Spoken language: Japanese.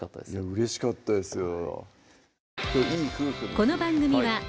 うれしかったですよ